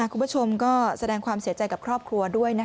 คุณผู้ชมก็แสดงความเสียใจกับครอบครัวด้วย